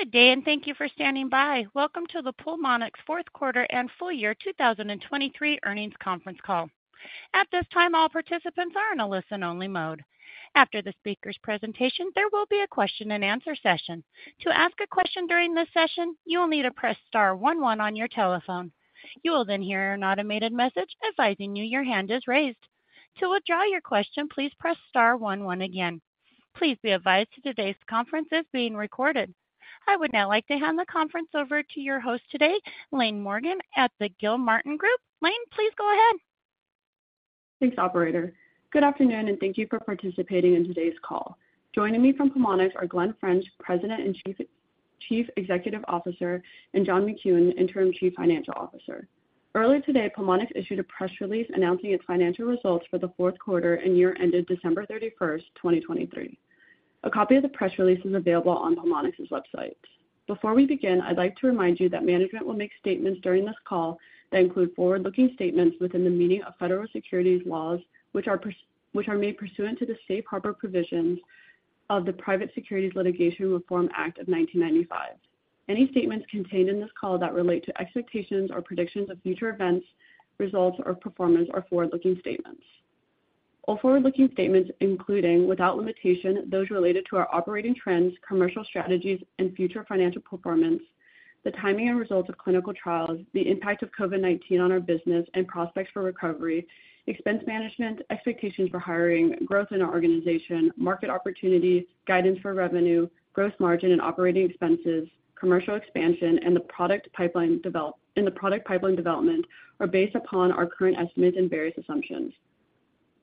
Good day, and thank you for standing by. Welcome to the Pulmonx Fourth Quarter and Full-Year 2023 Earnings Conference Call. At this time, all participants are in a listen-only mode. After the speaker's presentation, there will be a question-and-answer session. To ask a question during this session, you will need to press star one one on your telephone. You will then hear an automated message advising you your hand is raised. To withdraw your question, please press star one one again. Please be advised that today's conference is being recorded. I would now like to hand the conference over to your host today, Laine Morgan, at the Gilmartin Group. Laine, please go ahead. Thanks, operator. Good afternoon, and thank you for participating in today's call. Joining me from Pulmonx are Glen French, President and Chief Executive Officer, and John McKune, Interim Chief Financial Officer. Earlier today, Pulmonx issued a press release announcing its financial results for the fourth quarter and year ended December 31st, 2023. A copy of the press release is available on Pulmonx's website. Before we begin, I'd like to remind you that management will make statements during this call that include forward-looking statements within the meaning of federal securities laws, which are made pursuant to the Safe Harbor provisions of the Private Securities Litigation Reform Act of 1995. Any statements contained in this call that relate to expectations or predictions of future events, results, or performance are forward-looking statements. All forward-looking statements, including, without limitation, those related to our operating trends, commercial strategies, and future financial performance, the timing and results of clinical trials, the impact of COVID-19 on our business and prospects for recovery, expense management, expectations for hiring, growth in our organization, market opportunities, guidance for revenue, gross margin and operating expenses, commercial expansion, and the product pipeline development, are based upon our current estimates and various assumptions.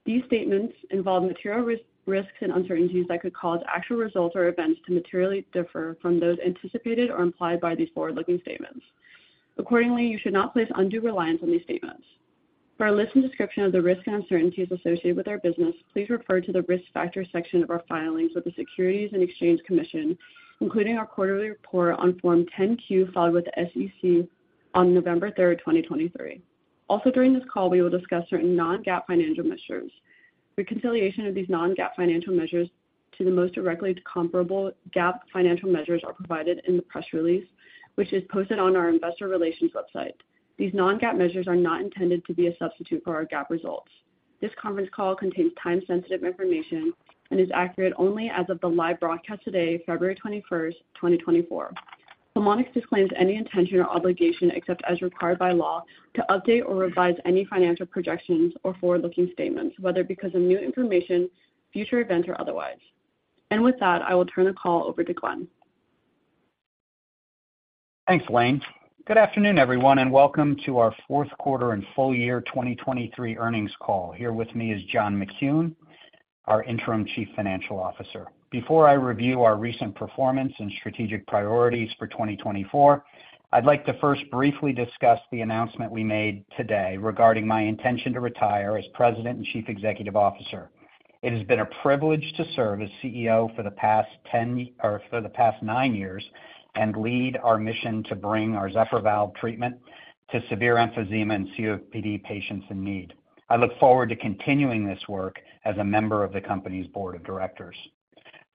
These statements involve material risks and uncertainties that could cause actual results or events to materially differ from those anticipated or implied by these forward-looking statements. Accordingly, you should not place undue reliance on these statements. For a list and description of the risks and uncertainties associated with our business, please refer to the Risk Factors section of our filings with the Securities and Exchange Commission, including our quarterly report on Form 10-Q, filed with the SEC on November 3rd, 2023. Also, during this call, we will discuss certain non-GAAP financial measures. Reconciliation of these non-GAAP financial measures to the most directly comparable GAAP financial measures are provided in the press release, which is posted on our investor relations website. These non-GAAP measures are not intended to be a substitute for our GAAP results. This conference call contains time-sensitive information and is accurate only as of the live broadcast today, February 21st, 2024. Pulmonx disclaims any intention or obligation, except as required by law, to update or revise any financial projections or forward-looking statements, whether because of new information, future events, or otherwise. With that, I will turn the call over to Glen. Thanks, Laine. Good afternoon, everyone, and welcome to our Fourth Quarter and Full-Year 2023 Earnings Call. Here with me is John McKune, our Interim Chief Financial Officer. Before I review our recent performance and strategic priorities for 2024, I'd like to first briefly discuss the announcement we made today regarding my intention to retire as President and Chief Executive Officer. It has been a privilege to serve as CEO for the past ten, for the past nine years and lead our mission to bring our Zephyr Valve treatment to severe emphysema and COPD patients in need. I look forward to continuing this work as a member of the company's board of directors.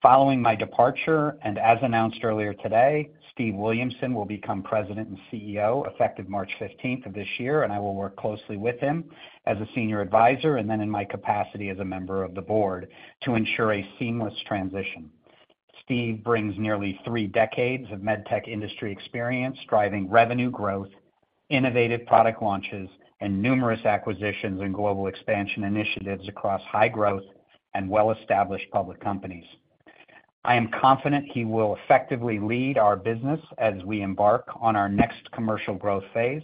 Following my departure, and as announced earlier today, Steve Williamson will become President and CEO, effective March 15th of this year, and I will work closely with him as a senior advisor and then in my capacity as a member of the board to ensure a seamless transition. Steve brings nearly three decades of med tech industry experience, driving revenue growth, innovative product launches, and numerous acquisitions and global expansion initiatives across high growth and well-established public companies. I am confident he will effectively lead our business as we embark on our next commercial growth phase.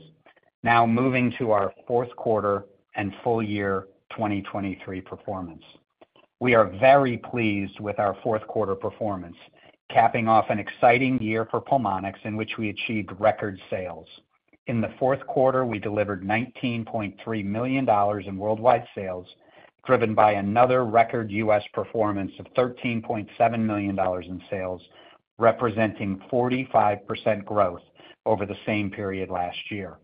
Now moving to our fourth quarter and full-year 2023 performance. We are very pleased with our fourth quarter performance, capping off an exciting year for Pulmonx, in which we achieved record sales. In the fourth quarter, we delivered $19.3 million in worldwide sales, driven by another record US performance of $13.7 million in sales, representing 45% growth over the same period last year.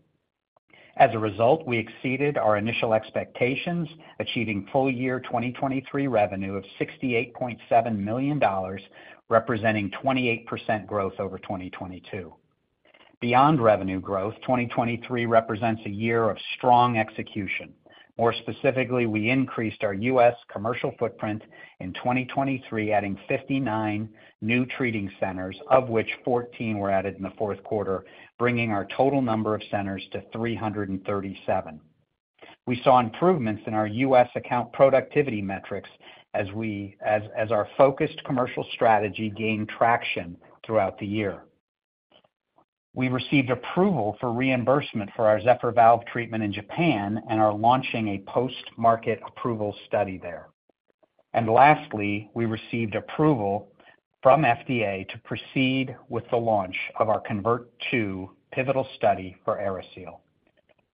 As a result, we exceeded our initial expectations, achieving full-year 2023 revenue of $68.7 million, representing 28% growth over 2022. Beyond revenue growth, 2023 represents a year of strong execution. More specifically, we increased our US commercial footprint in 2023, adding 59 new treating centers, of which 14 were added in the fourth quarter, bringing our total number of centers to 337. We saw improvements in our US account productivity metrics as our focused commercial strategy gained traction throughout the year. We received approval for reimbursement for our Zephyr Valve treatment in Japan and are launching a post-market approval study there. And lastly, we received approval from FDA to proceed with the launch of our CONVERT-2 pivotal study for AeriSeal.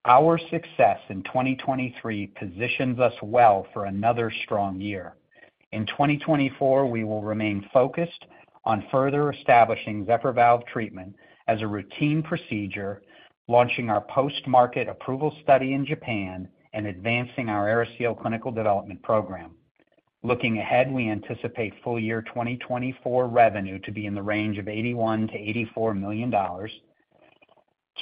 Our success in 2023 positions us well for another strong year. In 2024, we will remain focused on further establishing Zephyr Valve treatment as a routine procedure, launching our post-market approval study in Japan, and advancing our AeriSeal clinical development program. Looking ahead, we anticipate full-year 2024 revenue to be in the range of $81 million-$84 million...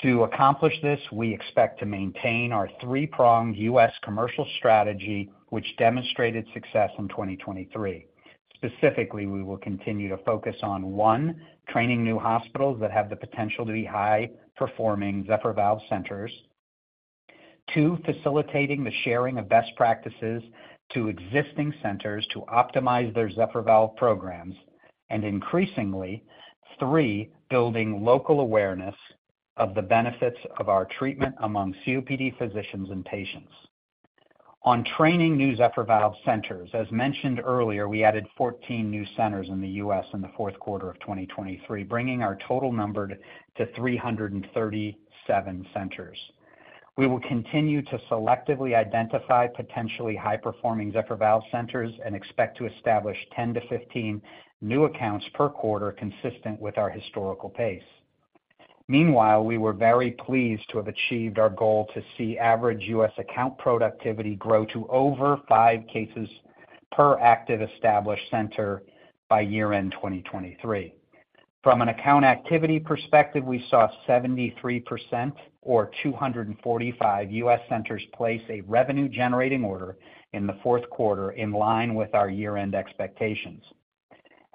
To accomplish this, we expect to maintain our three-pronged U.S. commercial strategy, which demonstrated success in 2023. Specifically, we will continue to focus on, one, training new hospitals that have the potential to be high-performing Zephyr Valve centers. two, facilitating the sharing of best practices to existing centers to optimize their Zephyr Valve programs, and increasingly, three, building local awareness of the benefits of our treatment among COPD physicians and patients. On training new Zephyr Valve centers, as mentioned earlier, we added 14 new centers in the U.S. in the fourth quarter of 2023, bringing our total number to 337 centers. We will continue to selectively identify potentially high-performing Zephyr Valve centers and expect to establish 10-15 new accounts per quarter, consistent with our historical pace. Meanwhile, we were very pleased to have achieved our goal to see average U.S. account productivity grow to over 5 cases per active established center by year-end 2023. From an account activity perspective, we saw 73% or 245 U.S. centers place a revenue-generating order in the fourth quarter, in line with our year-end expectations.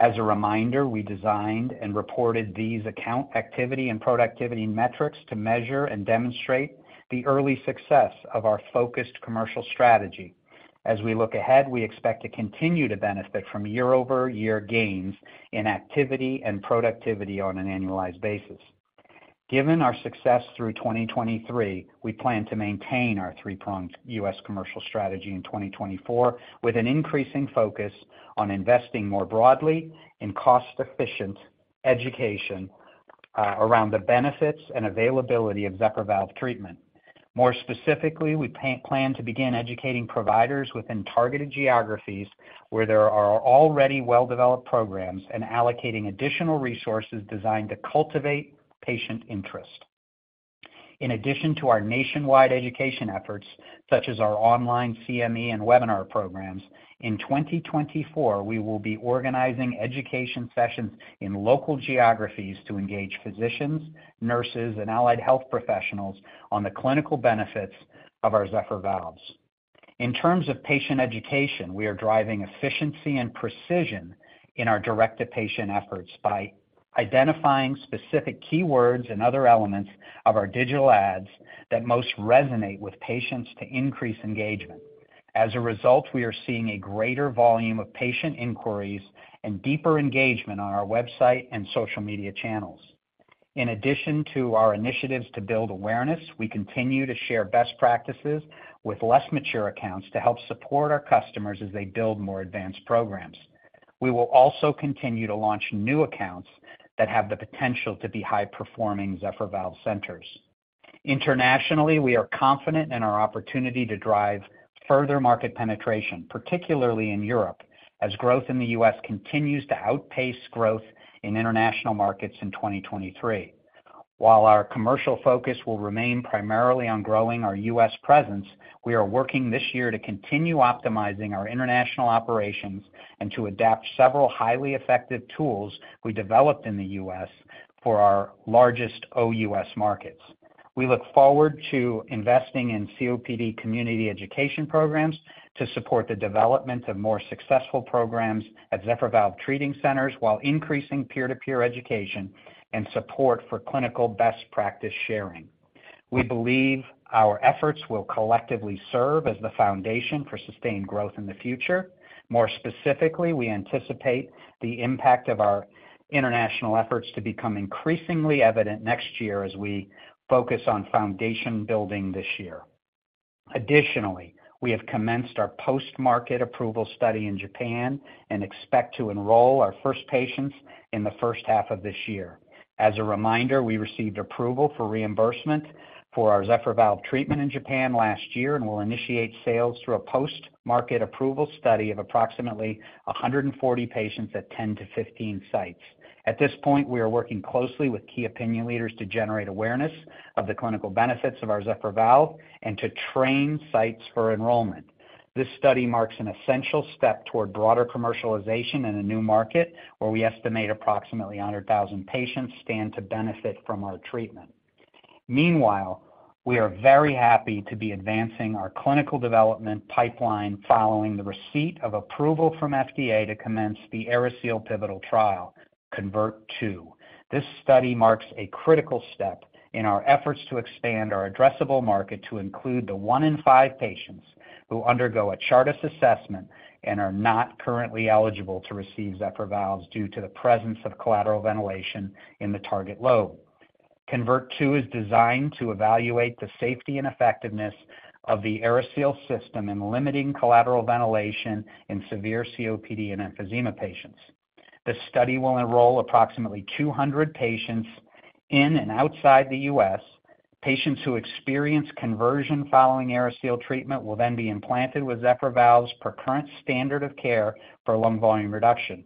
As a reminder, we designed and reported these account activity and productivity metrics to measure and demonstrate the early success of our focused commercial strategy. As we look ahead, we expect to continue to benefit from year-over-year gains in activity and productivity on an annualized basis. Given our success through 2023, we plan to maintain our three-pronged U.S. commercial strategy in 2024, with an increasing focus on investing more broadly in cost-efficient education around the benefits and availability of Zephyr Valve treatment. More specifically, we plan to begin educating providers within targeted geographies where there are already well-developed programs, and allocating additional resources designed to cultivate patient interest. In addition to our nationwide education efforts, such as our online CME and webinar programs, in 2024, we will be organizing education sessions in local geographies to engage physicians, nurses, and allied health professionals on the clinical benefits of our Zephyr Valves. In terms of patient education, we are driving efficiency and precision in our direct-to-patient efforts by identifying specific keywords and other elements of our digital ads that most resonate with patients to increase engagement. As a result, we are seeing a greater volume of patient inquiries and deeper engagement on our website and social media channels. In addition to our initiatives to build awareness, we continue to share best practices with less mature accounts to help support our customers as they build more advanced programs. We will also continue to launch new accounts that have the potential to be high-performing Zephyr Valve centers. Internationally, we are confident in our opportunity to drive further market penetration, particularly in Europe, as growth in the U.S. continues to outpace growth in international markets in 2023. While our commercial focus will remain primarily on growing our U.S. presence, we are working this year to continue optimizing our international operations and to adapt several highly effective tools we developed in the U.S. for our largest OUS markets. We look forward to investing in COPD community education programs to support the development of more successful programs at Zephyr Valve treating centers, while increasing peer-to-peer education and support for clinical best practice sharing. We believe our efforts will collectively serve as the foundation for sustained growth in the future. More specifically, we anticipate the impact of our international efforts to become increasingly evident next year as we focus on foundation building this year. Additionally, we have commenced our post-market approval study in Japan and expect to enroll our first patients in the first half of this year. As a reminder, we received approval for reimbursement for our Zephyr Valve treatment in Japan last year, and we'll initiate sales through a post-market approval study of approximately 140 patients at 10-15 sites. At this point, we are working closely with key opinion leaders to generate awareness of the clinical benefits of our Zephyr Valve and to train sites for enrollment. This study marks an essential step toward broader commercialization in a new market, where we estimate approximately 100,000 patients stand to benefit from our treatment. Meanwhile, we are very happy to be advancing our clinical development pipeline following the receipt of approval from FDA to commence the AeriSeal pivotal trial, CONVERT-2. This study marks a critical step in our efforts to expand our addressable market to include the one in five patients who undergo a Chartis assessment and are not currently eligible to receive Zephyr Valves due to the presence of collateral ventilation in the target lobe. CONVERT-2 is designed to evaluate the safety and effectiveness of the AeriSeal system in limiting collateral ventilation in severe COPD and emphysema patients. The study will enroll approximately 200 patients in and outside the U.S. Patients who experience conversion following AeriSeal treatment will then be implanted with Zephyr Valves per current standard of care for lung volume reduction.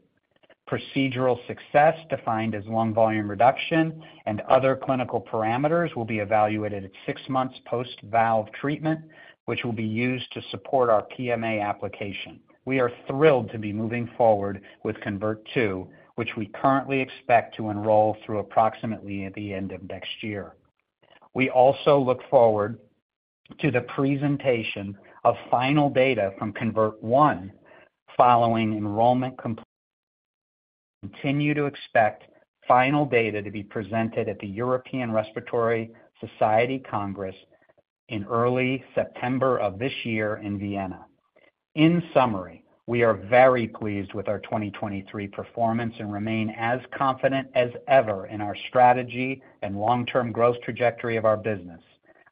Procedural success, defined as lung volume reduction and other clinical parameters, will be evaluated at six months post-valve treatment, which will be used to support our PMA application. We are thrilled to be moving forward with CONVERT-2, which we currently expect to enroll through approximately at the end of next year. We also look forward to the presentation of final data from CONVERT-1, following enrollment complete. Continue to expect final data to be presented at the European Respiratory Society Congress in early September of this year in Vienna. In summary, we are very pleased with our 2023 performance and remain as confident as ever in our strategy and long-term growth trajectory of our business.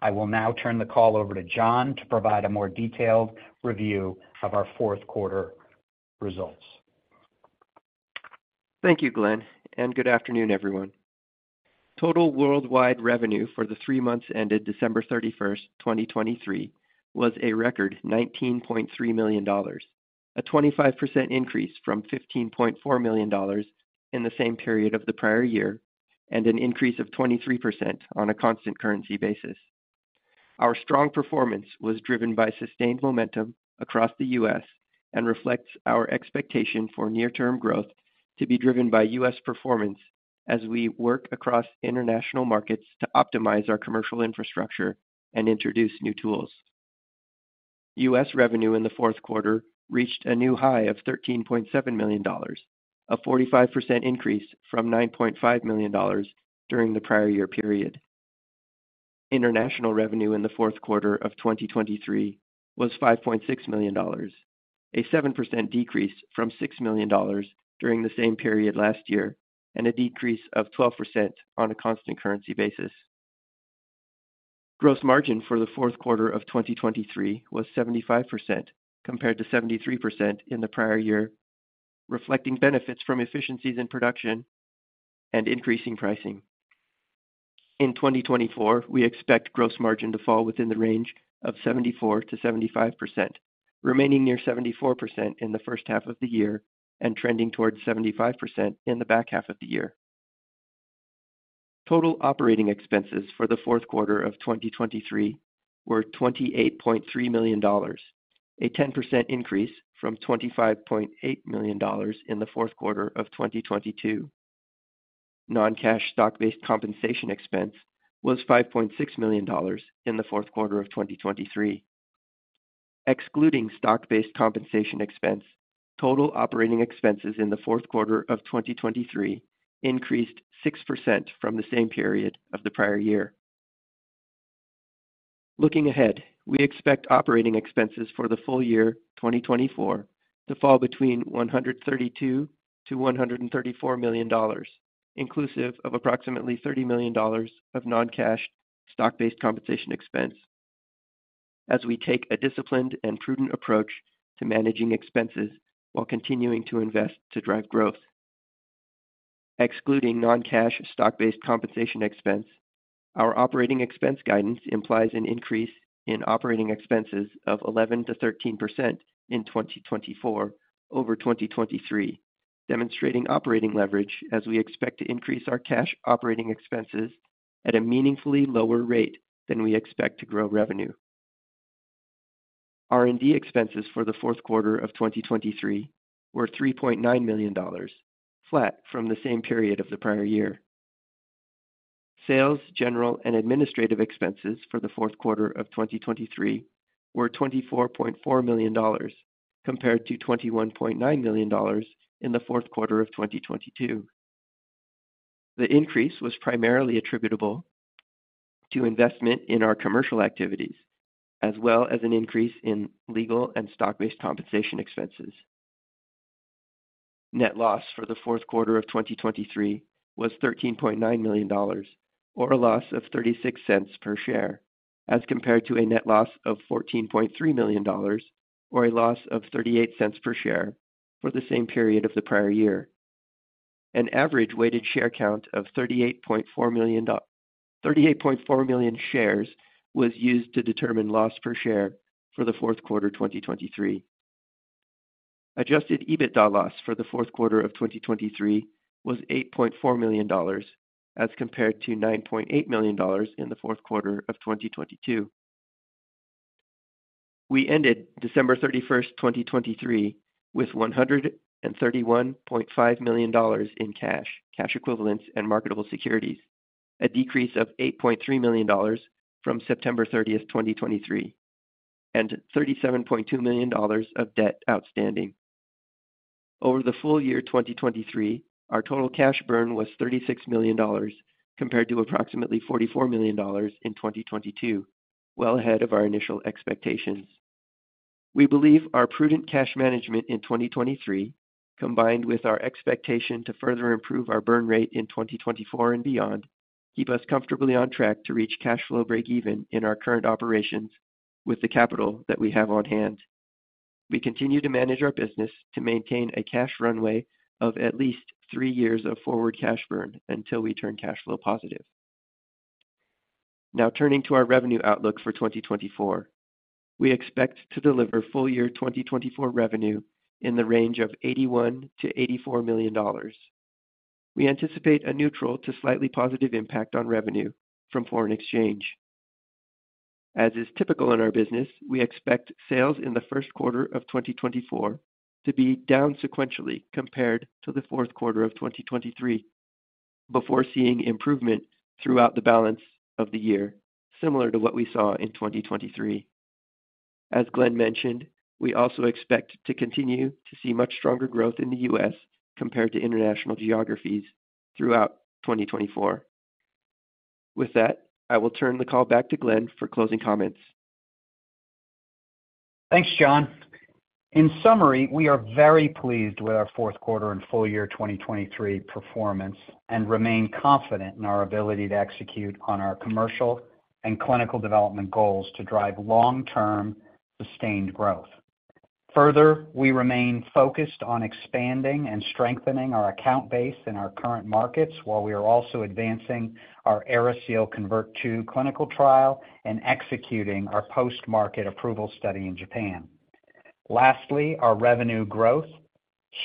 I will now turn the call over to John to provide a more detailed review of our fourth quarter results. Thank you, Glen, and good afternoon, everyone. Total worldwide revenue for the three months ended December 31st, 2023, was a record $19.3 million, a 25% increase from $15.4 million in the same period of the prior-year, and an increase of 23% on a constant currency basis. Our strong performance was driven by sustained momentum across the U.S. and reflects our expectation for near-term growth to be driven by U.S. performance as we work across international markets to optimize our commercial infrastructure and introduce new tools. U.S. revenue in the fourth quarter reached a new high of $13.7 million, a 45% increase from $9.5 million during the prior-year period. International revenue in the fourth quarter of 2023 was $5.6 million, a 7% decrease from $6 million during the same period last year, and a decrease of 12% on a constant currency basis. Gross margin for the fourth quarter of 2023 was 75%, compared to 73% in the prior-year, reflecting benefits from efficiencies in production and increasing pricing. In 2024, we expect gross margin to fall within the range of 74%-75%, remaining near 74% in the first half of the year and trending towards 75% in the back half of the year. Total operating expenses for the fourth quarter of 2023 were $28.3 million, a 10% increase from $25.8 million in the fourth quarter of 2022. Non-cash stock-based compensation expense was $5.6 million in the fourth quarter of 2023. Excluding stock-based compensation expense, total operating expenses in the fourth quarter of 2023 increased 6% from the same period of the prior-year. Looking ahead, we expect operating expenses for the full-year 2024 to fall between $132 million-$134 million, inclusive of approximately $30 million of non-cash stock-based compensation expense, as we take a disciplined and prudent approach to managing expenses while continuing to invest to drive growth. Excluding non-cash stock-based compensation expense, our operating expense guidance implies an increase in operating expenses of 11%-13% in 2024 over 2023, demonstrating operating leverage, as we expect to increase our cash operating expenses at a meaningfully lower rate than we expect to grow revenue. R&D expenses for the fourth quarter of 2023 were $3.9 million, flat from the same period of the prior-year. Sales, general, and administrative expenses for the fourth quarter of 2023 were $24.4 million, compared to $21.9 million in the fourth quarter of 2022. The increase was primarily attributable to investment in our commercial activities, as well as an increase in legal and stock-based compensation expenses. Net loss for the fourth quarter of 2023 was $13.9 million, or a loss of $0.36 per share, as compared to a net loss of $14.3 million, or a loss of $0.38 per share for the same period of the prior-year. An average weighted share count of 38.4 million shares was used to determine loss per share for the fourth quarter 2023. Adjusted EBITDA loss for the fourth quarter of 2023 was $8.4 million, as compared to $9.8 million in the fourth quarter of 2022. We ended December 31st, 2023, with $131.5 million in cash, cash equivalents, and marketable securities, a decrease of $8.3 million from September 30th, 2023, and $37.2 million of debt outstanding. Over the full-year 2023, our total cash burn was $36 million, compared to approximately $44 million in 2022, well ahead of our initial expectations. We believe our prudent cash management in 2023, combined with our expectation to further improve our burn rate in 2024 and beyond, keep us comfortably on track to reach cash flow breakeven in our current operations with the capital that we have on hand. We continue to manage our business to maintain a cash runway of at least three years of forward cash burn until we turn cash flow positive. Now, turning to our revenue outlook for 2024. We expect to deliver full-year 2024 revenue in the range of $81 million-$84 million. We anticipate a neutral to slightly positive impact on revenue from foreign exchange.... As is typical in our business, we expect sales in the first quarter of 2024 to be down sequentially compared to the fourth quarter of 2023, before seeing improvement throughout the balance of the year, similar to what we saw in 2023. As Glen mentioned, we also expect to continue to see much stronger growth in the U.S. compared to international geographies throughout 2024. With that, I will turn the call back to Glen for closing comments. Thanks, John. In summary, we are very pleased with our fourth quarter and full-year 2023 performance, and remain confident in our ability to execute on our commercial and clinical development goals to drive long-term sustained growth. Further, we remain focused on expanding and strengthening our account base in our current markets, while we are also advancing our AeriSeal CONVERT-2 clinical trial and executing our post-market approval study in Japan. Lastly, our revenue growth,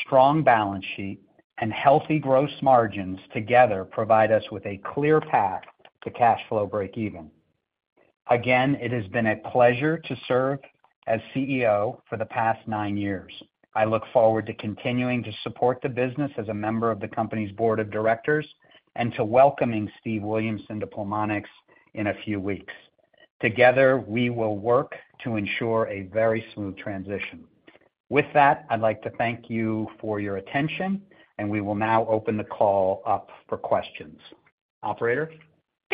strong balance sheet, and healthy gross margins together provide us with a clear path to cash flow breakeven. Again, it has been a pleasure to serve as CEO for the past 9 years. I look forward to continuing to support the business as a member of the company's board of directors and to welcoming Steve Williamson to Pulmonx in a few weeks. Together, we will work to ensure a very smooth transition. With that, I'd like to thank you for your attention, and we will now open the call up for questions. Operator?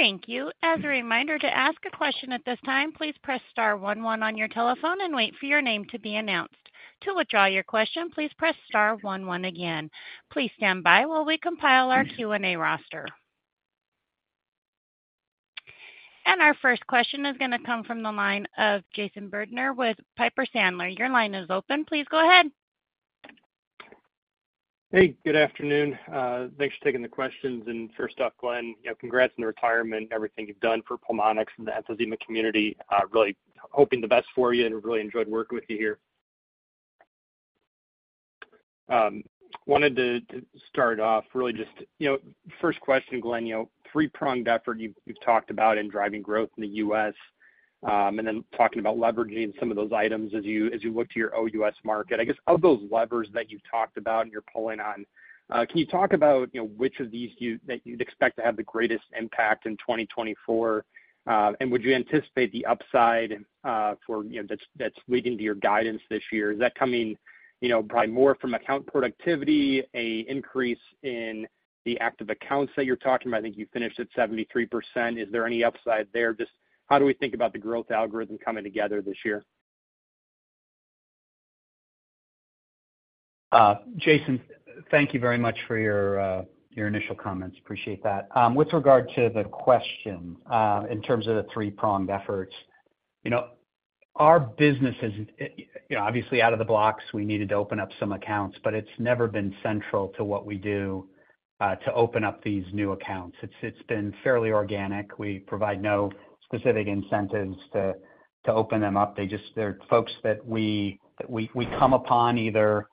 Thank you. As a reminder, to ask a question at this time, please press star one one on your telephone and wait for your name to be announced. To withdraw your question, please press star one one again. Please stand by while we compile our Q&A roster. Our first question is gonna come from the line of Jason Bednar with Piper Sandler. Your line is open. Please go ahead. Hey, good afternoon. Thanks for taking the questions. And first off, Glen, you know, congrats on the retirement, everything you've done for Pulmonx and the asthma community. Really hoping the best for you and really enjoyed working with you here. Wanted to start off really just, you know, first question, Glen, you know, three-pronged effort you've talked about in driving growth in the U.S., and then talking about leveraging some of those items as you look to your OUS market. I guess, of those levers that you've talked about and you're pulling on, can you talk about, you know, which of these you'd expect to have the greatest impact in 2024? And would you anticipate the upside for, you know, that's leading to your guidance this year? Is that coming, you know, probably more from account productivity, an increase in the active accounts that you're talking about? I think you finished at 73%. Is there any upside there? Just how do we think about the growth algorithm coming together this year? Jason, thank you very much for your, your initial comments. Appreciate that. With regard to the question, in terms of the three-pronged efforts, you know, our business is, you know, obviously, out of the blocks, we needed to open up some accounts, but it's never been central to what we do, to open up these new accounts. It's, it's been fairly organic. We provide no specific incentives to, to open them up. They just- they're folks that we, that we, we come upon either,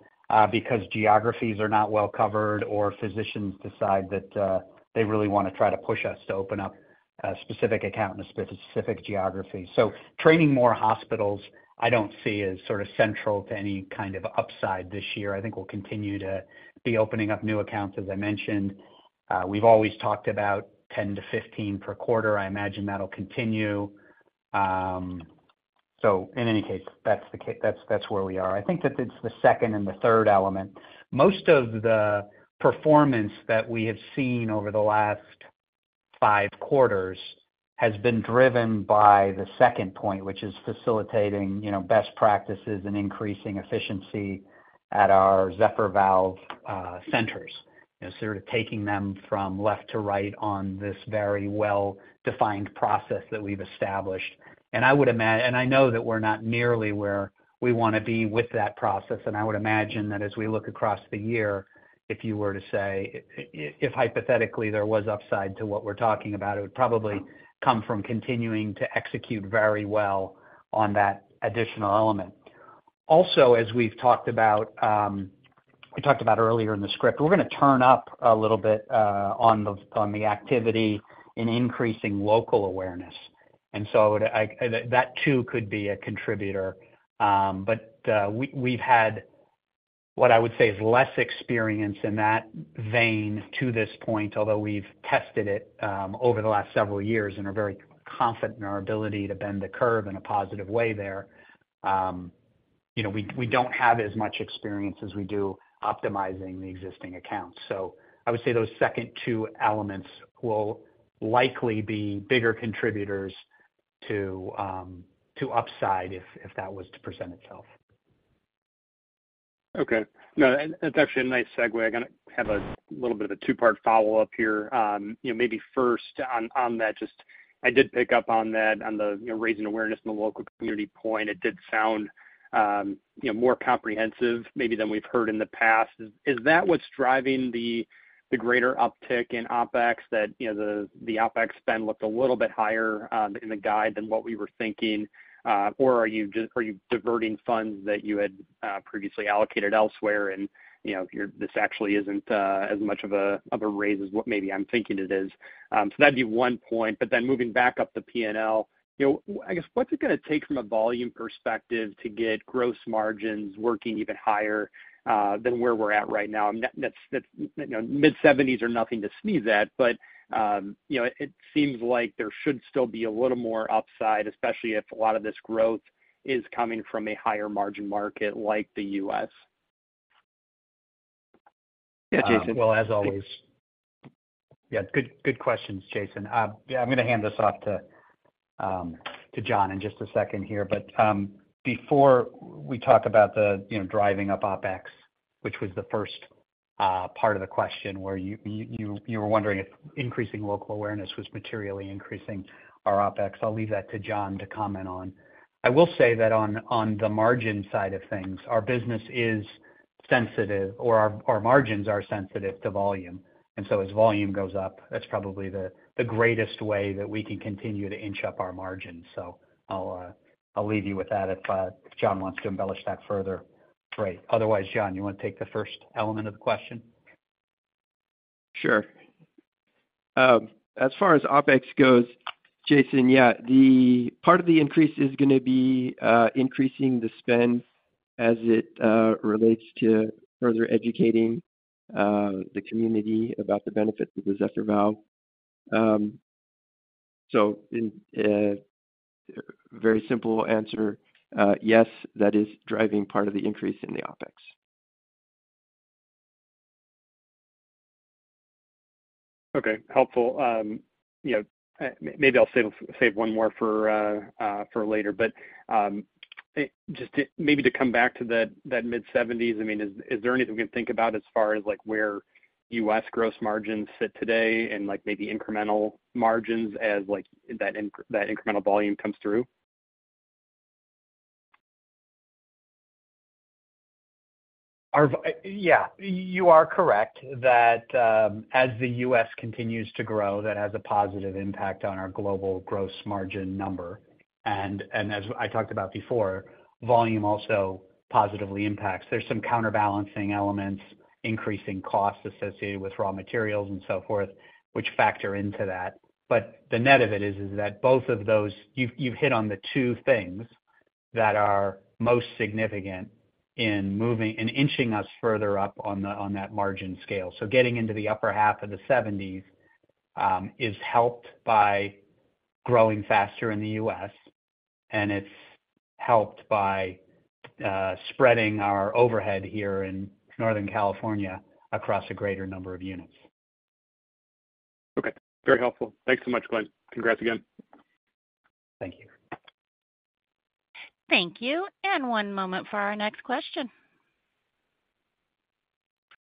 because geographies are not well covered or physicians decide that, they really want to try to push us to open up a specific account in a specific geography. So training more hospitals, I don't see as sort of central to any kind of upside this year. I think we'll continue to be opening up new accounts. As I mentioned, we've always talked about 10-15 per quarter. I imagine that'll continue. So in any case, that's where we are. I think that it's the second and the third element. Most of the performance that we have seen over the last five quarters has been driven by the second point, which is facilitating, you know, best practices and increasing efficiency at our Zephyr Valve centers. You know, sort of taking them from left to right on this very well-defined process that we've established. I know that we're not nearly where we want to be with that process, and I would imagine that as we look across the year, if you were to say, if hypothetically there was upside to what we're talking about, it would probably come from continuing to execute very well on that additional element. Also, as we've talked about, we talked about earlier in the script, we're gonna turn up a little bit on the activity in increasing local awareness. And so I would, that too, could be a contributor. But we've had what I would say is less experience in that vein to this point, although we've tested it over the last several years and are very confident in our ability to bend the curve in a positive way there. You know, we don't have as much experience as we do optimizing the existing accounts. So I would say those second two elements will likely be bigger contributors to upside if that was to present itself. Okay. No, and that's actually a nice segue. I'm gonna have a little bit of a two-part follow-up here. You know, maybe first on that, just I did pick up on that, on the you know, raising awareness in the local community point. It did sound, you know, more comprehensive maybe than we've heard in the past. Is that what's driving the greater uptick in OpEx? That, you know, the OpEx spend looked a little bit higher in the guide than what we were thinking. Or are you just diverting funds that you had previously allocated elsewhere, and, you know, this actually isn't as much of a raise as what maybe I'm thinking it is? So that'd be one point. But then moving back up the P&L, you know, I guess, what's it gonna take from a volume perspective to get gross margins working even higher than where we're at right now? That's, that's, you know, mid-70s% are nothing to sneeze at, but, you know, it seems like there should still be a little more upside, especially if a lot of this growth is coming from a higher margin market like the US.... Yeah, well, as always. Yeah, good, good questions, Jason. Yeah, I'm gonna hand this off to to John in just a second here. But, before we talk about the, you know, driving up OpEx, which was the first, part of the question, where you, you, you were wondering if increasing local awareness was materially increasing our OpEx. I'll leave that to John to comment on. I will say that on, on the margin side of things, our business is sensitive, or our, our margins are sensitive to volume, and so as volume goes up, that's probably the, the greatest way that we can continue to inch up our margins. So I'll, I'll leave you with that if, if John wants to embellish that further. Great. Otherwise, John, you want to take the first element of the question? Sure. As far as OpEx goes, Jason, yeah, the part of the increase is gonna be increasing the spend as it relates to further educating the community about the benefits of the Zephyr Valve. So, very simple answer, yes, that is driving part of the increase in the OpEx. Okay, helpful. You know, maybe I'll save one more for later. But just to maybe come back to that, that mid-70s, I mean, is there anything we can think about as far as, like, where US gross margins sit today and, like, maybe incremental margins as, like, that incremental volume comes through? Yeah, you are correct that, as the US continues to grow, that has a positive impact on our global gross margin number. And as I talked about before, volume also positively impacts. There's some counterbalancing elements, increasing costs associated with raw materials and so forth, which factor into that. But the net of it is that both of those... You've hit on the two things that are most significant in moving and inching us further up on that margin scale. Getting into the upper half of the seventies is helped by growing faster in the U.S., and it's helped by spreading our overhead here in Northern California across a greater number of units. Okay. Very helpful. Thanks so much, Glen. Congrats again. Thank you. Thank you. And one moment for our next question.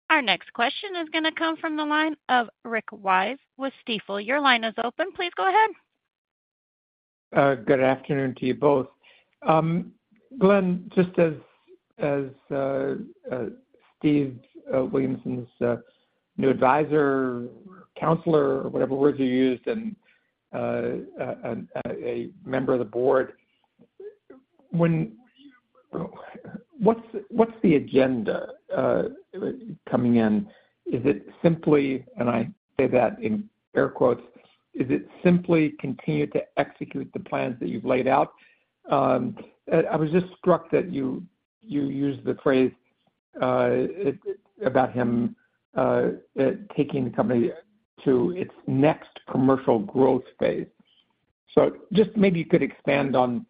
Our next question is gonna come from the line of Rick Wise with Stifel. Your line is open. Please go ahead. Good afternoon to you both. Glen, just as Steve Williamson's new advisor, counselor, or whatever words you used, and a member of the board, what's the agenda coming in? Is it simply, and I say that in air quotes, is it simply continue to execute the plans that you've laid out? I was just struck that you used the phrase about him taking the company to its next commercial growth phase. So just maybe you could expand on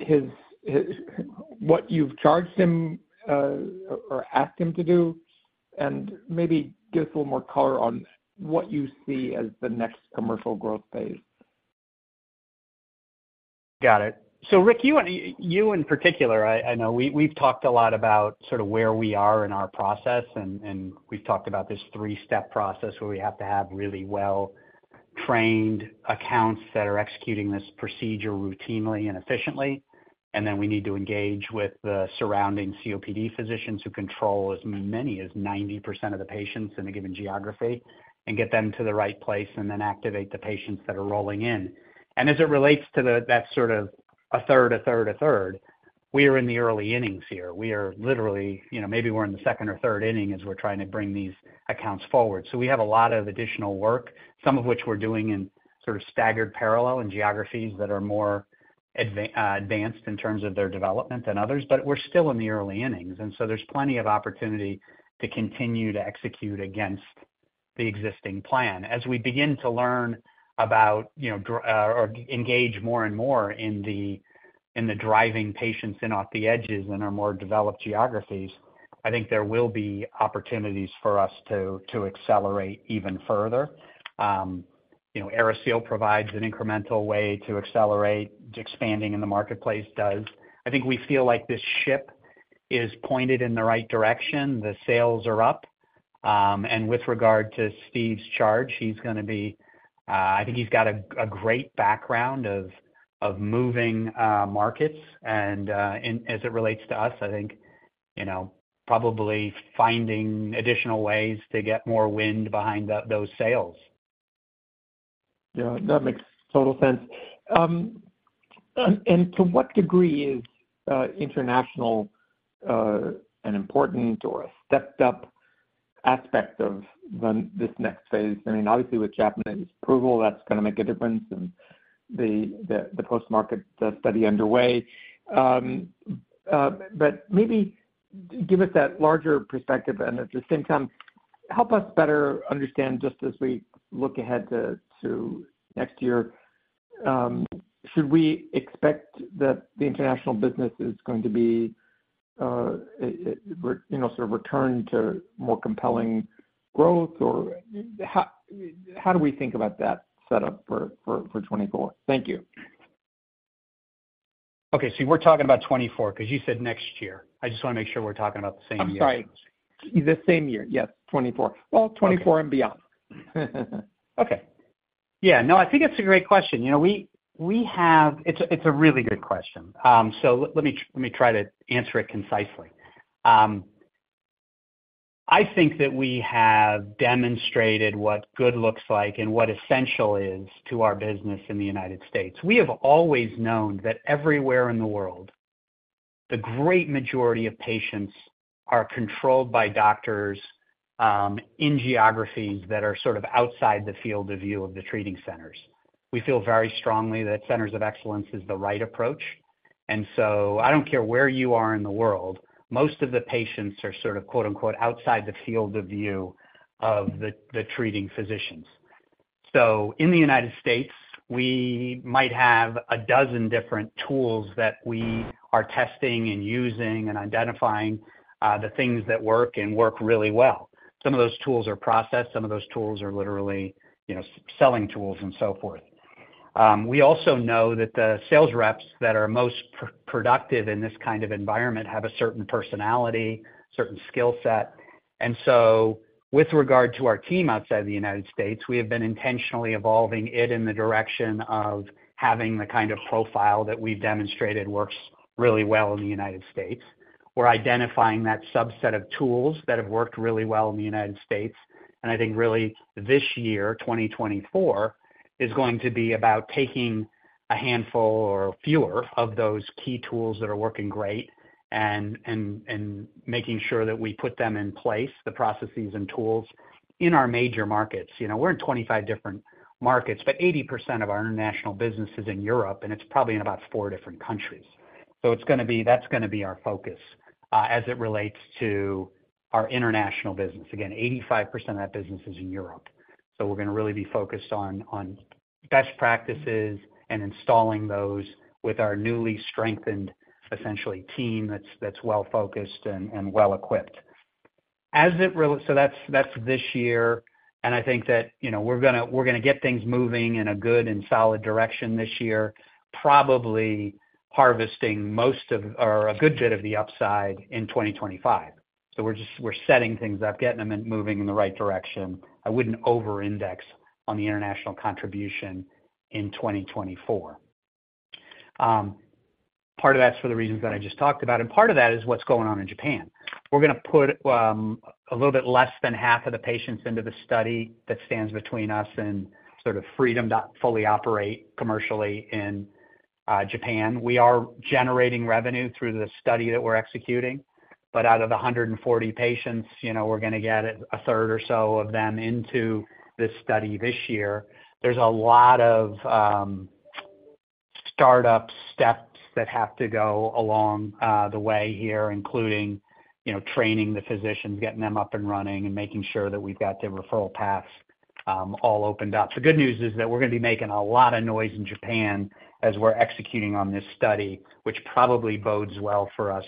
his -- what you've charged him or asked him to do, and maybe give us a little more color on what you see as the next commercial growth phase. Got it. So Rick, you and, you in particular, I, I know we- we've talked a lot about sort of where we are in our process, and, and we've talked about this three-step process, where we have to have really well-trained accounts that are executing this procedure routinely and efficiently. And then we need to engage with the surrounding COPD physicians who control as many as 90% of the patients in a given geography and get them to the right place, and then activate the patients that are rolling in. And as it relates to the, that sort of a third, a third, a third, we are in the early innings here. We are literally, you know, maybe we're in the second or third inning as we're trying to bring these accounts forward. So we have a lot of additional work, some of which we're doing in sort of staggered parallel in geographies that are more advanced in terms of their development than others, but we're still in the early innings, and so there's plenty of opportunity to continue to execute against the existing plan. As we begin to learn about, you know, or engage more and more in the, in the driving patients in off the edges in our more developed geographies, I think there will be opportunities for us to accelerate even further. You know, AeriSeal provides an incremental way to accelerate, expanding in the marketplace does. I think we feel like this ship is pointed in the right direction. The sales are up. With regard to Steve's charge, he's gonna be, I think he's got a great background of moving markets. And as it relates to us, I think, you know, probably finding additional ways to get more wind behind those sails. Yeah, that makes total sense. And to what degree is international an important or a stepped-up aspect of this next phase? I mean, obviously, with Japanese approval, that's gonna make a difference in the post-market study underway. But maybe give us that larger perspective, and at the same time, help us better understand, just as we look ahead to next year... should we expect that the international business is going to be you know, sort of return to more compelling growth? Or how do we think about that setup for 2024? Thank you. Okay, see, we're talking about 2024, 'cause you said next year. I just want to make sure we're talking about the same year. I'm sorry. The same year, yes, 2024. Well, 2024 and beyond. Okay. Yeah, no, I think it's a great question. You know, we have. It's a really good question. So let me try to answer it concisely. I think that we have demonstrated what good looks like and what essential is to our business in the United States. We have always known that everywhere in the world, the great majority of patients are controlled by doctors in geographies that are sort of outside the field of view of the treating centers. We feel very strongly that centers of excellence is the right approach, and so I don't care where you are in the world, most of the patients are sort of, quote, unquote, "outside the field of view" of the treating physicians. So in the United States, we might have a dozen different tools that we are testing and using and identifying, the things that work and work really well. Some of those tools are processed, some of those tools are literally, you know, selling tools and so forth. We also know that the sales reps that are most productive in this kind of environment have a certain personality, certain skill set. And so with regard to our team outside the United States, we have been intentionally evolving it in the direction of having the kind of profile that we've demonstrated works really well in the United States. We're identifying that subset of tools that have worked really well in the United States, and I think really this year, 2024, is going to be about taking a handful or fewer of those key tools that are working great and making sure that we put them in place, the processes and tools, in our major markets. You know, we're in 25 different markets, but 80% of our international business is in Europe, and it's probably in about four different countries. So it's gonna be, that's gonna be our focus as it relates to our international business. Again, 85% of that business is in Europe. So we're gonna really be focused on best practices and installing those with our newly strengthened, essentially, team that's well-focused and well-equipped. So that's this year, and I think that, you know, we're gonna, we're gonna get things moving in a good and solid direction this year, probably harvesting most of, or a good bit of the upside in 2025. So we're just, we're setting things up, getting them and moving in the right direction. I wouldn't over-index on the international contribution in 2024. Part of that's for the reasons that I just talked about, and part of that is what's going on in Japan. We're gonna put a little bit less than half of the patients into the study that stands between us and sort of freedom to fully operate commercially in Japan. We are generating revenue through the study that we're executing, but out of the 140 patients, you know, we're gonna get a third or so of them into this study this year. There's a lot of startup steps that have to go along the way here, including, you know, training the physicians, getting them up and running, and making sure that we've got their referral paths all opened up. The good news is that we're gonna be making a lot of noise in Japan as we're executing on this study, which probably bodes well for us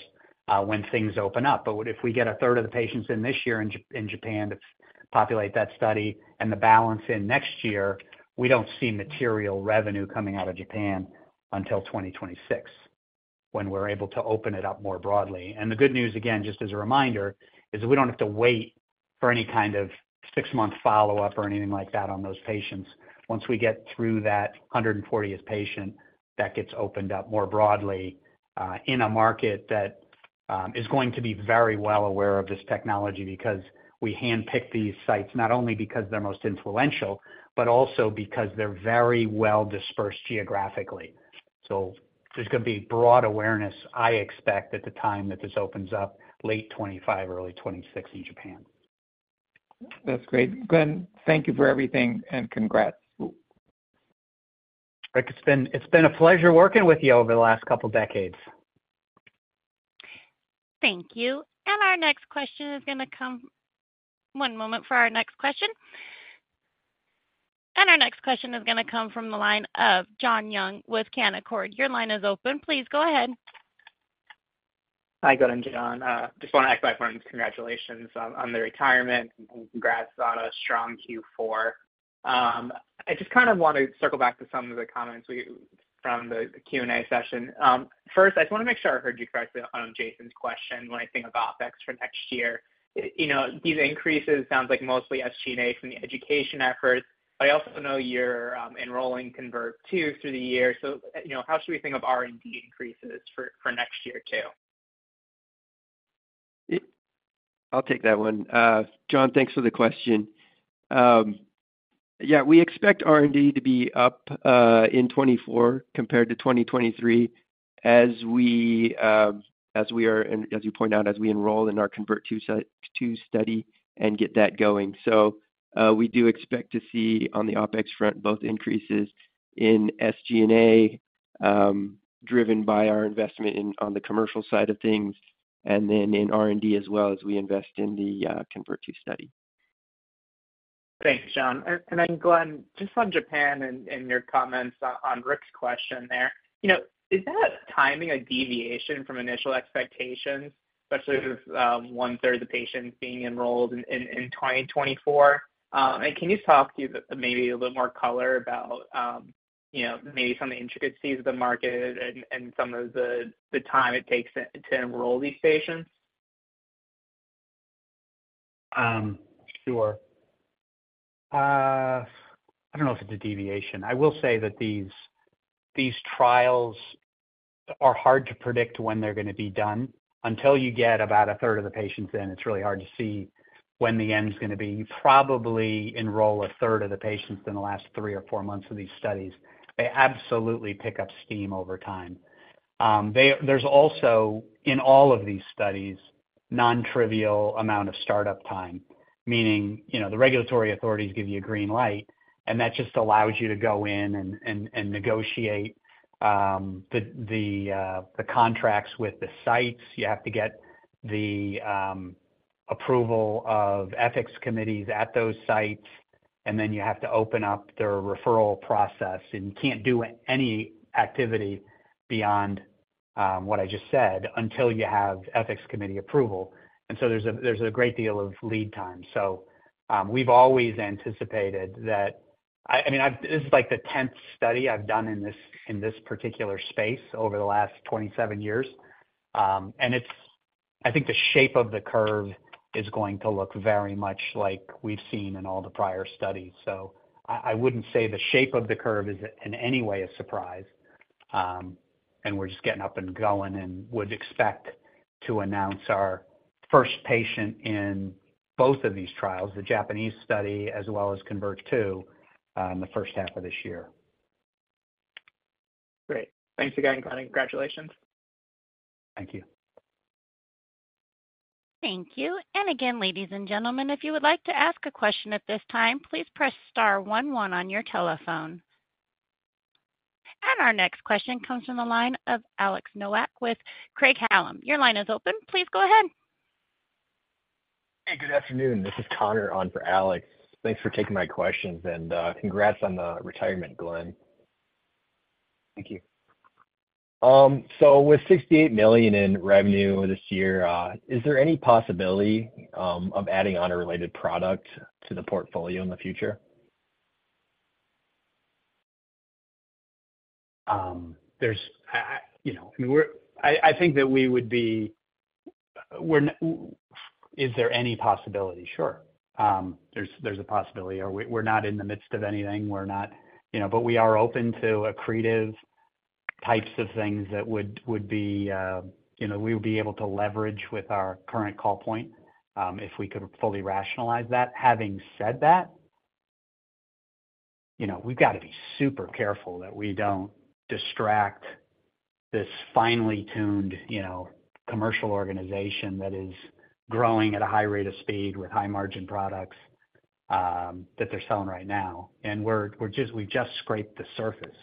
when things open up. But what if we get a third of the patients in this year in Japan to populate that study and the balance in next year, we don't see material revenue coming out of Japan until 2026, when we're able to open it up more broadly. And the good news, again, just as a reminder, is we don't have to wait for any kind of six month follow-up or anything like that on those patients. Once we get through that 140th patient, that gets opened up more broadly, in a market that is going to be very well aware of this technology because we handpick these sites, not only because they're most influential, but also because they're very well dispersed geographically. So there's gonna be broad awareness, I expect, at the time that this opens up, late 2025, early 2026 Japan. That's great. Glen, thank you for everything, and congrats. Rick, it's been a pleasure working with you over the last couple decades. Thank you. And our next question is gonna come... One moment for our next question. And our next question is gonna come from the line of John Young with Canaccord. Your line is open. Please go ahead. Hi, good. I'm John. Just want to echo everyone, congratulations on the retirement, and congrats on a strong Q4. I just kind of want to circle back to some of the comments we from the Q&A session. First, I just want to make sure I heard you correctly on Jason's question when I think of OpEx for next year. You know, these increases sounds like mostly SG&A from the education efforts, but I also know you're enrolling CONVERT-2 through the year. So, you know, how should we think of R&D increases for next year, too? I'll take that one. John, thanks for the question. Yeah, we expect R&D to be up in 2024 compared to 2023, as we are, and as you pointed out, as we enroll in our CONVERT-2 study and get that going. So, we do expect to see, on the OpEx front, both increases in SG&A, driven by our investment in, on the commercial side of things, and then in R&D as well as we invest in the CONVERT-2 study. ... Thanks, John. And then, Glen, just on Japan and your comments on Rick's question there, you know, is that timing a deviation from initial expectations, especially with one-third of the patients being enrolled in 2024? And can you talk to maybe a little more color about, you know, maybe some of the intricacies of the market and some of the time it takes to enroll these patients? Sure. I don't know if it's a deviation. I will say that these trials are hard to predict when they're gonna be done. Until you get about a third of the patients in, it's really hard to see when the end's gonna be. You probably enroll a third of the patients in the last three or four months of these studies. They absolutely pick up steam over time. There's also, in all of these studies, nontrivial amount of startup time, meaning, you know, the regulatory authorities give you a green light, and that just allows you to go in and negotiate the contracts with the sites. You have to get the approval of ethics committees at those sites, and then you have to open up their referral process, and you can't do any activity beyond what I just said, until you have ethics committee approval. And so there's a great deal of lead time. So, we've always anticipated that... I mean, this is, like, the tenth study I've done in this particular space over the last 27 years. And it's. I think the shape of the curve is going to look very much like we've seen in all the prior studies. So I wouldn't say the shape of the curve is in any way a surprise. We're just getting up and going and would expect to announce our first patient in both of these trials, the Japanese study as well as CONVERT-2, in the first half of this year. Great. Thanks again, Glen, and congratulations. Thank you. Thank you. And again, ladies and gentlemen, if you would like to ask a question at this time, please press star one one on your telephone. And our next question comes from the line of Alex Nowak with Craig-Hallum. Your line is open. Please go ahead. Hey, good afternoon. This is Connor on for Alex. Thanks for taking my questions, and congrats on the retirement, Glen. Thank you. With $68 million in revenue this year, is there any possibility of adding on a related product to the portfolio in the future? There's... You know, I mean, we're—I think that we would be—we're not— Is there any possibility? Sure. There's a possibility, or we're not in the midst of anything. We're not, you know, but we are open to accretive types of things that would be, you know, we would be able to leverage with our current call point, if we could fully rationalize that. Having said that, you know, we've got to be super careful that we don't distract this finely tuned, you know, commercial organization that is growing at a high rate of speed with high-margin products that they're selling right now. We've just scraped the surface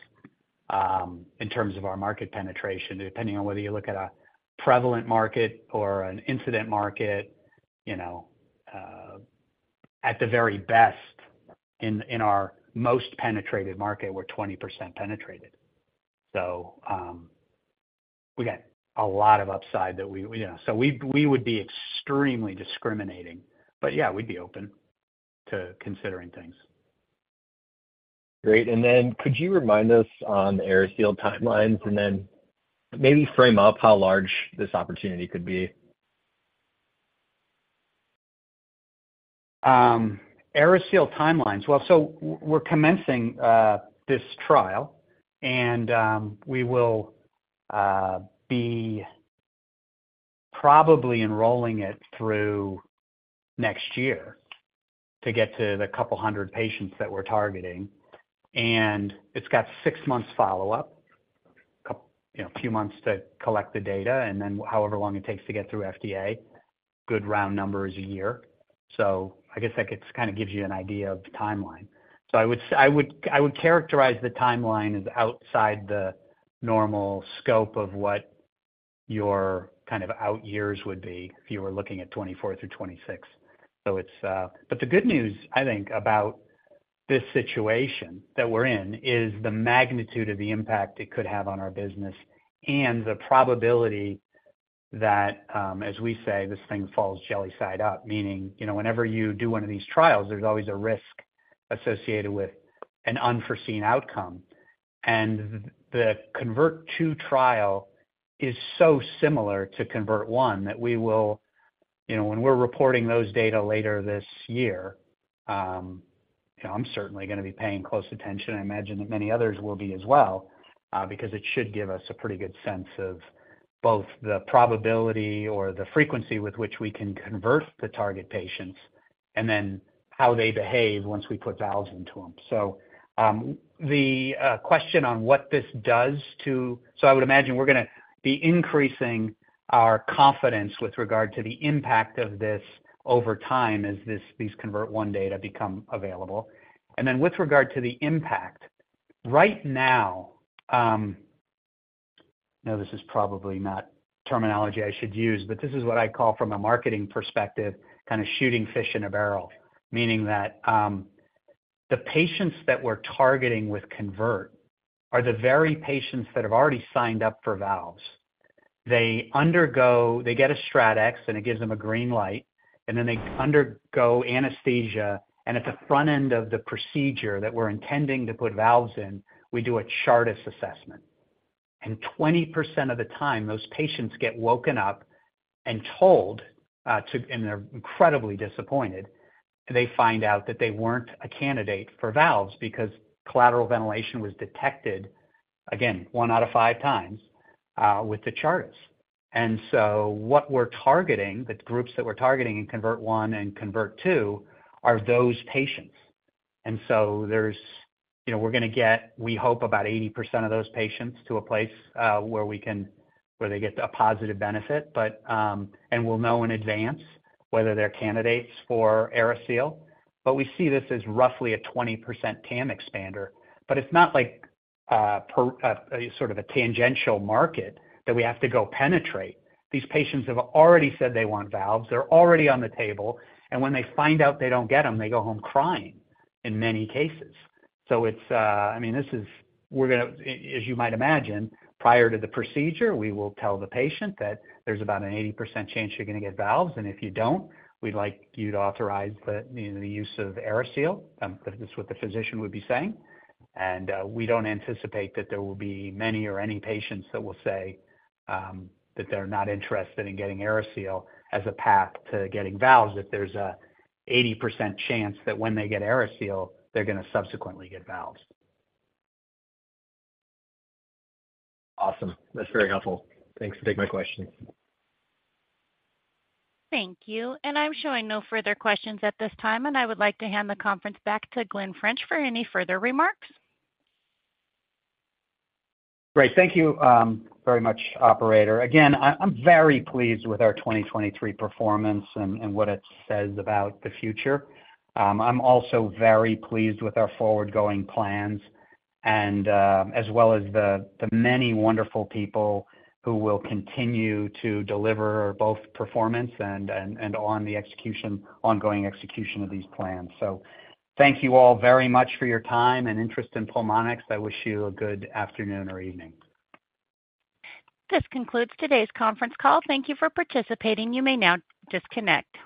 in terms of our market penetration, depending on whether you look at a prevalent market or an incident market, you know, at the very best in our most penetrated market, we're 20% penetrated. So we got a lot of upside that we, you know. So we would be extremely discriminating, but yeah, we'd be open to considering things. Great. And then could you remind us on AeriSeal timelines, and then maybe frame up how large this opportunity could be? AeriSeal timelines. Well, so we're commencing this trial, and we will be probably enrolling it through next year to get to the 200 patients that we're targeting. And it's got six months follow-up, you know, a few months to collect the data, and then however long it takes to get through FDA, good round number is a year. So I guess that kind of gives you an idea of the timeline. So I would, I would characterize the timeline as outside the normal scope of what your kind of out years would be if you were looking at 2024-2026. So it's... But the good news, I think, about this situation that we're in is the magnitude of the impact it could have on our business and the probability that, as we say, this thing falls jelly side up, meaning, you know, whenever you do one of these trials, there's always a risk associated with an unforeseen outcome. And the CONVERT-2 trial is so similar to CONVERT-1, that we will, you know, when we're reporting those data later this year, you know, I'm certainly gonna be paying close attention. I imagine that many others will be as well, because it should give us a pretty good sense of both the probability or the frequency with which we can convert the target patients and then how they behave once we put valves into them. So, the question on what this does to— So I would imagine we're gonna be increasing our confidence with regard to the impact of this over time as these CONVERT-1 data become available. And then with regard to the impact, right now— I know this is probably not terminology I should use, but this is what I call from a marketing perspective, kind of shooting fish in a barrel, meaning that the patients that we're targeting with CONVERT are the very patients that have already signed up for valves. They undergo— they get a StratX, and it gives them a green light, and then they undergo anesthesia, and at the front end of the procedure that we're intending to put valves in, we do a Chartis assessment. And 20% of the time, those patients get woken up and told to... They're incredibly disappointed they find out that they weren't a candidate for valves because collateral ventilation was detected, again, one out of five times with the Chartis. So what we're targeting, the groups that we're targeting in CONVERT-1 and CONVERT-2, are those patients. So there's, you know, we're going to get, we hope, about 80% of those patients to a place where they get a positive benefit. But, and we'll know in advance whether they're candidates for AeriSeal. But we see this as roughly a 20% TAM expander, but it's not like per sort of a tangential market that we have to go penetrate. These patients have already said they want valves, they're already on the table, and when they find out they don't get them, they go home crying in many cases. So it's, I mean, this is we're gonna, as you might imagine, prior to the procedure, we will tell the patient that there's about an 80% chance you're going to get valves, and if you don't, we'd like you to authorize the, you know, the use of AeriSeal. This is what the physician would be saying. We don't anticipate that there will be many or any patients that will say that they're not interested in getting AeriSeal as a path to getting valves, if there's a 80% chance that when they get AeriSeal, they're going to subsequently get valves. Awesome. That's very helpful. Thanks for taking my question. Thank you. I'm showing no further questions at this time, and I would like to hand the conference back to Glen French for any further remarks. Great. Thank you, very much, operator. Again, I'm very pleased with our 2023 performance and what it says about the future. I'm also very pleased with our forward-going plans and, as well as the many wonderful people who will continue to deliver both performance and ongoing execution of these plans. So thank you all very much for your time and interest in Pulmonx. I wish you a good afternoon or evening. This concludes today's conference call. Thank you for participating. You may now disconnect.